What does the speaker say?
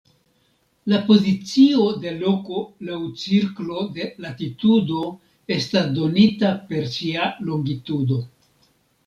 La pozicio de loko laŭ cirklo de latitudo estas donita per sia longitudo.